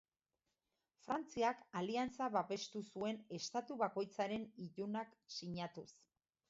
Frantziak aliantza babestu zuen estatu bakoitzaren itunak sinatuz.